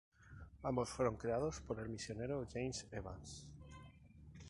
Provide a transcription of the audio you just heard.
Ambos fueron creados por el misionero James Evans.